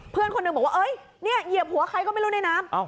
เพื่อนคนหนึ่งบอกว่าเนี่ยเหยียบหัวใครก็ไม่รู้ในน้ำ